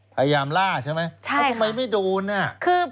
พยายามล่าใช่ไหมทำไมไม่โดนน่ะใช่ค่ะ